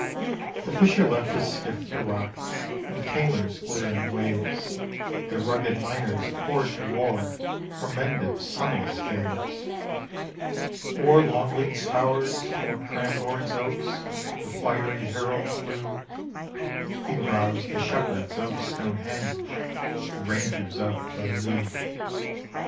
The fisher left his skiff to rock on Tamar's glittering waves: The rugged miners poured to war from Mendip's sunless caves: O'er Longleat's towers, o'er Cranbourne's oaks, the fiery herald flew: He roused the shepherds of Stonehenge, the rangers of Beaulieu.